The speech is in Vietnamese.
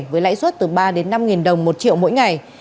với lãi suất từ ba đến năm đồng một triệu mỗi ngày